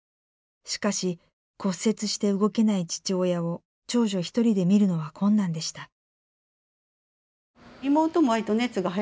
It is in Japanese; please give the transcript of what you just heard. しかし骨折して動けない父親を長女一人で見るのは困難でした。